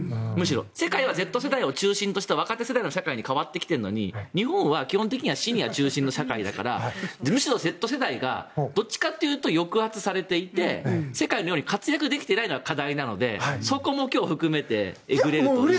むしろ世界はＺ世代を中心とした若手世代の社会に変わってきているのに日本は基本的にシニア中心の社会だからむしろＺ世代がどっちかというと抑圧されていて世界のように活躍できていないのが課題なのでそこも今日含めていくと。